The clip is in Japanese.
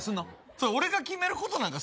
それ俺が決めることなんか？